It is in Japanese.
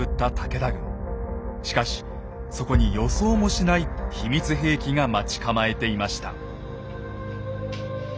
しかしそこに予想もしない秘密兵器が待ち構えていました。